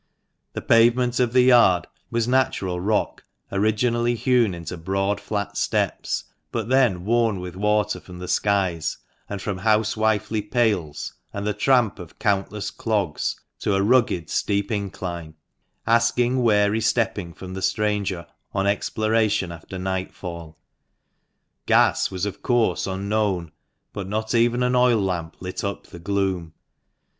The pavement of the yard was natural rock, originally hewn into broad flat steps, but then worn with water from the skies, and from house wifely pails, and the tramp of countless clogs, to a rugged steep incline, asking wary stepping from the stranger on exploration after nightfall. Gas was, of course, unknown, but not even an oil lamp lit up the gloom.